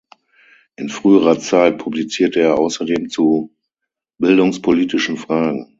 In früherer Zeit publizierte er außerdem zu bildungspolitischen Fragen.